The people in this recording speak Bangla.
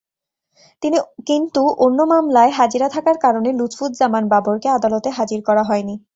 কিন্তু অন্য মামলায় হাজিরা থাকার কারণে লুৎফুজ্জামান বাবরকে আদালতে হাজির করা হয়নি।